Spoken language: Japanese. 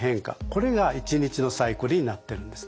これが一日のサイクルになってるんですね。